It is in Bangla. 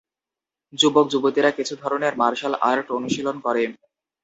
যুবক-যুবতীরা কিছু ধরনের মার্শাল আর্ট অনুশীলন করে।